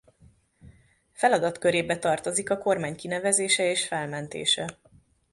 Feladatkörébe tartozik a kormány kinevezése és felmentése.